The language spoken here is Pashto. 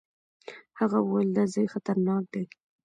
هغه وويل دا ځای خطرناک دی.